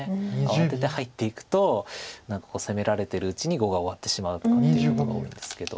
慌てて入っていくと何か攻められてるうちに碁が終わってしまうとかっていうことが多いんですけど。